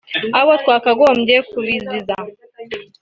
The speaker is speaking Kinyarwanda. Abo twakagombye kubiziza